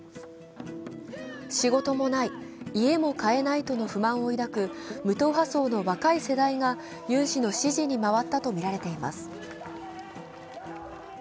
仕事もない、家も買えないとの不満を抱く無党派層の若い世代がユン氏の支持に回ったとみられています。